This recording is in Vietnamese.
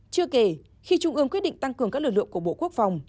chưa kể khi trung ương quyết định tăng cường các lực lượng của bộ quốc phòng